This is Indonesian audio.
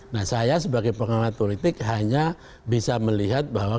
nah saya sebagai pengamat politik hanya bisa melihat bahwa